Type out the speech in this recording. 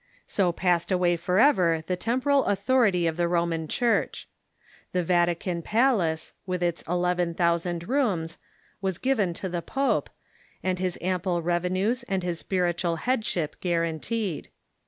So passed away forever the tem poral authority of the Roman Church, The Vatican palace, with its eleven thousand rooms, was given to the pope, and his ample revenues and his spiritual headship guaranteed.